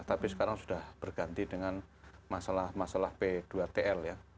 tapi sekarang sudah berganti dengan masalah p dua tl